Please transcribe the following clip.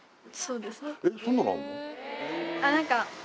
そんなのあんの？